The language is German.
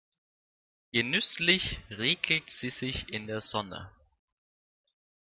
Genüsslich räkelt sie sich in der Sonne.